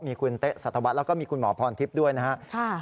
มีคุณเต๊ะสัตวัสดิแล้วก็มีคุณหมอพรทิพย์ด้วยนะครับ